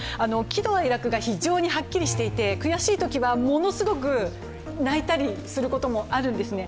喜怒哀楽が非常にはっきりしていて、悔しいときはものすごく泣いたりすることもあるんですね。